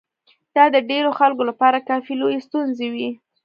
دا د ډېرو خلکو لپاره کافي لويې ستونزې وې.